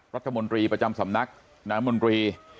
รัฐมนตรีประจำสำนักน้ำมนตรี